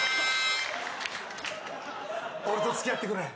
俺とつきあってくれ。